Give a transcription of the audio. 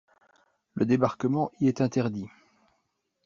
Le débarquement y est interdit.